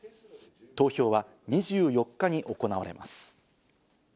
投票は２４日に行われます。